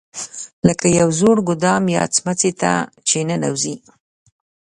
لکه یو زوړ ګودام یا څمڅې ته چې ننوځې.